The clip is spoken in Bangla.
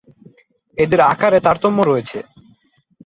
এদের আকারে তারতম্য রয়েছে।